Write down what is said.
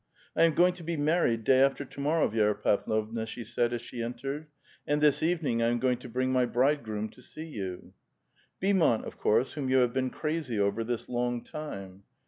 " I am to be married day after to morrow, Vi^ra Pav lovna," %he said as she entered; " and this evening I am going to bring my bridegroom to see you." "Beaumont, of course, whom you have been crazy over this long time."